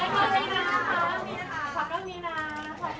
ขอบคุณนะคะ